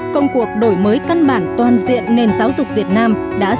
công cuộc đổi mới căn bản toàn diện nền giáo dục việt nam